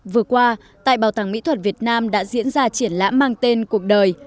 vừa qua tại bảo tàng mỹ thuật việt nam đã diễn ra triển lãm mang tên cuộc đời